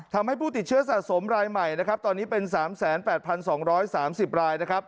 ทำให้ผู้ติดเชื้อสะสมรายใหม่ตอนนี้เป็น๓๘๒๓๐ราย